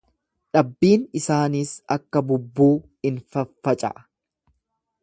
Dhabbiin isaaniis akka bubbuu in faffaca'a.